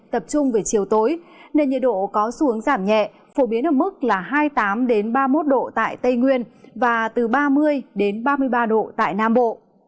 tập trung về chiều tối nên nhiệt độ có xu hướng giảm nhẹ phổ biến ở mức là hai mươi tám ba mươi một độ tại tây nguyên và từ ba mươi ba mươi ba độ tại nam bộ